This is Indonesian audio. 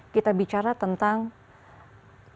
kita bicara tentang ketersendirian